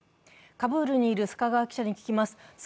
カブールにいる須賀川記者に聞きます。